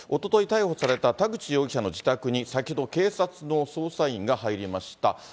逮捕された田口容疑者の自宅に、先ほど、警察の捜査員が入りました。